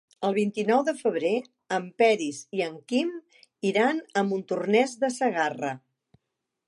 El vint-i-nou de febrer en Peris i en Quim iran a Montornès de Segarra.